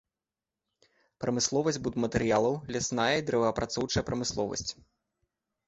Прамысловасць будматэрыялаў, лясная і дрэваапрацоўчая прамысловасць.